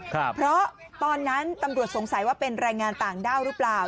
เพราะตอนนั้นตำรวจสงสัยว่าเป็นแรงงานต่างด้าวหรือเปล่า